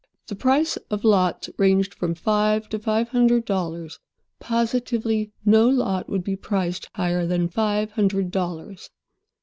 The price of lots ranged from five to five hundred dollars. Positively, no lot would be priced higher than five hundred dollars.